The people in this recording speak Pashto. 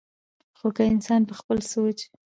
خو کۀ انسان پۀ خپل سوچ